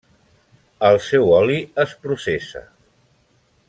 El seu oli es processa.